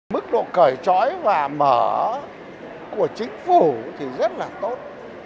mức độ cởi trói và mở của chính phủ thì rất là tốt